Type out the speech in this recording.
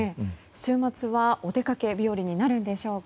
週末はお出かけ日和になるんでしょうか。